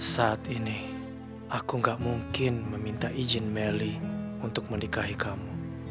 saat ini aku gak mungkin meminta izin melly untuk menikahi kamu